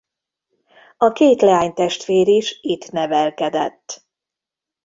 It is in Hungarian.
A két leánytestvér is itt nevelkedett.